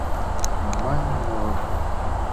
Мамай муро